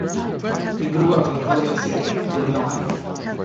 He grew up in Calumet City, Illinois.